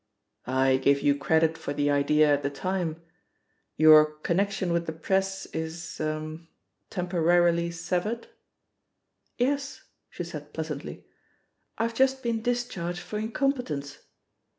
"I gave you credit for the idea at the time. Your connection with the Press is — er — tem porarily severed?'* "Yes," she said pleasantly; "I've just been discharged for incompetence."